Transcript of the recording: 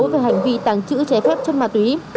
về hành vi tàng trữ trái phép chất ma túy